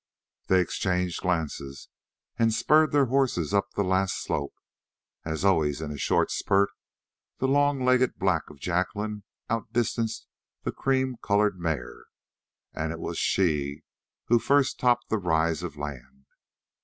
They exchanged glances and spurred their horses up the last slope. As always in a short spurt, the long legged black of Jacqueline out distanced the cream colored mare, and it was she who first topped the rise of land.